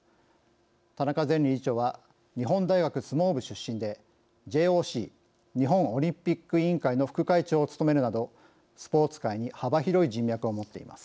田中前理事長は日本大学相撲部出身でＪＯＣ＝日本オリンピック委員会の副会長を務めるなどスポーツ界に幅広い人脈を持っています。